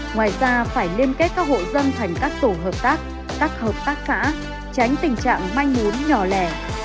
ngoài ra phải liên kết các hộ dân thành các tổ hợp tác các hợp tác xã tránh tình trạng manh mún nhỏ lẻ